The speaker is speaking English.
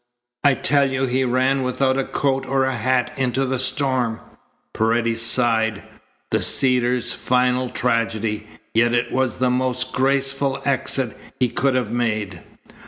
"I tell you he ran without a coat or a hat into the storm." Paredes sighed. "The Cedars's final tragedy, yet it was the most graceful exit he could have made."